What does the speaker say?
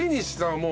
もう。